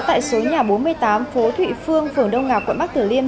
tại số nhà bốn mươi tám phố thụy phương phường đông ngạc quận bắc tử liêm